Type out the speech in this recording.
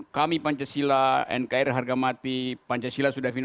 kami pancasila nkri harga mati pancasila sudah final